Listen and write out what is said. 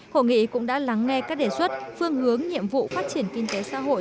hội nghị cũng đã lắng nghe các đề xuất phương hướng nhiệm vụ phát triển kinh tế xã hội